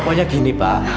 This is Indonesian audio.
pokoknya gini pak